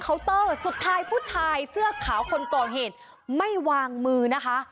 เตอร์สุดท้ายผู้ชายเสื้อขาวคนก่อเหตุไม่วางมือนะคะ